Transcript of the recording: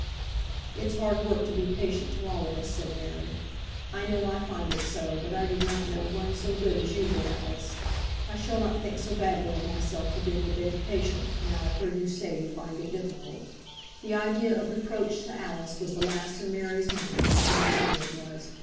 "It's hard work to be patient to all of us," said Mary; "I know I find it so, but I did not know one so good as you did, Alice; I shall not think so badly of myself for being a bit impatient, now I've heard you say you find it difficult." The idea of reproach to Alice was the last in Mary's mind; and Alice knew it was.